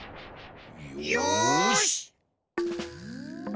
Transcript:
よし！